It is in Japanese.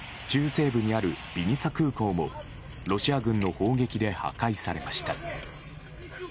中西部にあるビニツァ空港もロシア軍の砲撃で破壊されました。